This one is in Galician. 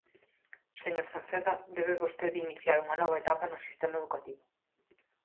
Señor Cerceda, debe vostede iniciar unha nova etapa no sistema educativo.